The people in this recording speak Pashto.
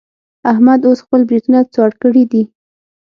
احمد اوس خپل برېتونه څوړ کړي دي.